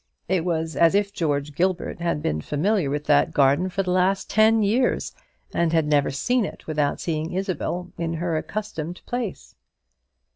It was as if George Gilbert had been familiar with that garden for the last ten years, and had never seen it without seeing Isabel in her accustomed place.